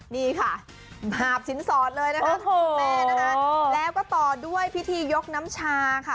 นี่ค่ะมาบสินสอดเลยนะคะแล้วก็ต่อด้วยพิธียกน้ำชาค่ะ